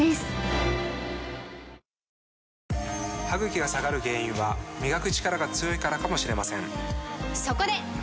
歯ぐきが下がる原因は磨くチカラが強いからかもしれませんそこで！